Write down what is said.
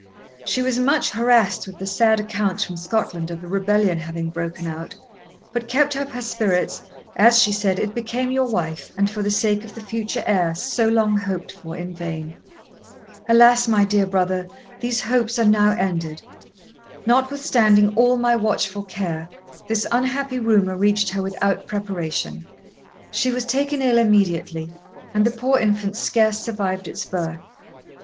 She was much harassed with the sad accounts from Scotland of the rebellion having broken out; but kept up her spirits, as, she said, it became your wife, and for the sake of the future heir, so long hoped for in vain. Alas, my dear brother, these hopes are now ended! Notwithstanding all my watchful care, this unhappy rumour reached her without preparation. She was taken ill immediately; and the poor infant scarce survived its birth.